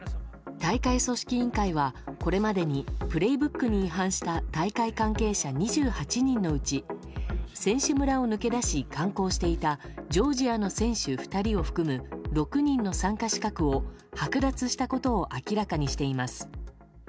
大会組織委員会は、これまでに「プレイブック」に違反した大会関係者２８人のうち選手村を抜け出し観光していたジョージアの選手２人を含む６人の参加資格を剥奪したことを明らかにしています。